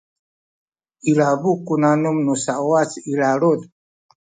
ilabu ku nanum nu sauwac i lalud